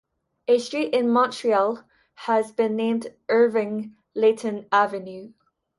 A street in Montreal has been named Irving Layton Avenue.